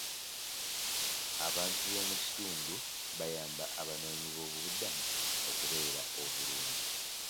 Abantu b'omu kitundu bayamba abanoonyiboobubudamu okubeera obulungi.